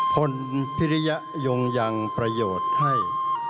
พลพิริยยงยังประโยชน์ให้